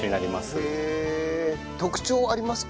特徴ありますか？